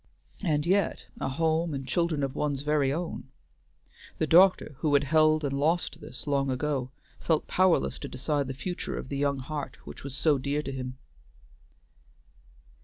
And yet, a home and children of one's very own, the doctor, who had held and lost this long ago, felt powerless to decide the future of the young heart which was so dear to him.